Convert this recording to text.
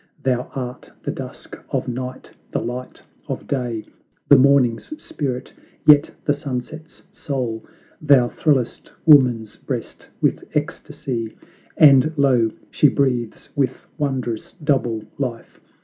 Thou art the dusk of Night, the light of Day, The Morning's spirit, yet the Sunset's soul. Thou thrillest woman's breast with ecstacy And lo! she breathes with wondrous double life.